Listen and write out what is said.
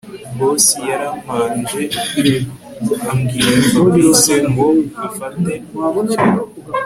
Boss yaramanje abwira Fabric ngo afate icyo